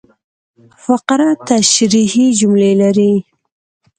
فقره تشریحي جملې لري.